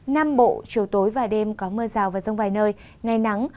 nam bộ chiều tối và đêm có mưa rào và rông vài nơi ngày nắng